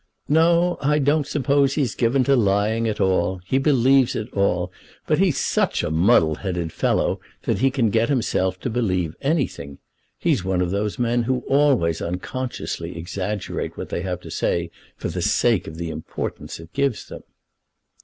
"No; I don't suppose he's given to lying at all. He believes it all. But he's such a muddle headed fellow that he can get himself to believe anything. He's one of those men who always unconsciously exaggerate what they have to say for the sake of the importance it gives them."